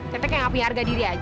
teteh kayak gak punya harga diri aja